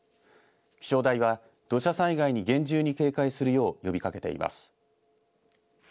気象台は土砂災害に厳重に警戒するよう呼びかけています。